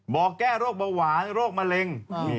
บอกแก้โรคเบาหวานโรคมะเร็ง